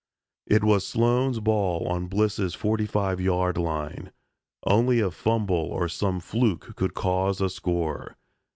It was Sloan's ball on Bliss's forty five yard line. Only a fumble or some fluke could cause a score.